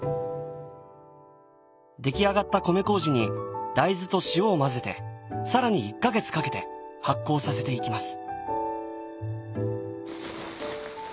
出来上がった米麹に大豆と塩を混ぜて更に１か月かけて発酵させていきます。